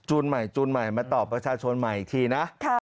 ใหม่จูนใหม่มาตอบประชาชนใหม่อีกทีนะ